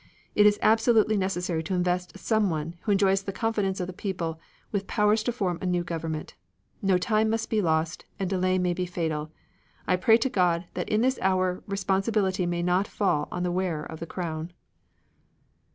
It is absolutely necessary to invest someone, who enjoys the confidence of the people, with powers to form a new government. No time must be lost, and delay may be fatal. I pray to God that in this hour responsibility may not fall on the wearer of the crown.